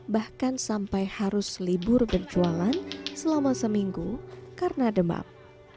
bahkan sampai harus libur berjualan selama seminggu karena demam